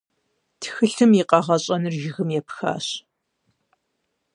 Тхылъым и къэгъэщӏыныр жыгым епхащ.